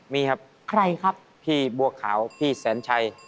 มีครับใครครับพี่บัวขาวพี่แสนชัย